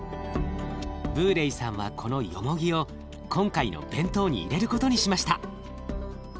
ブーレイさんはこのよもぎを今回の弁当に入れることにしました。